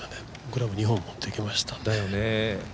クラブ２本持っていきました。